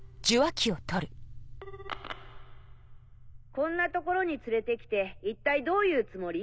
こんな所に連れてきて一体どういうつもり？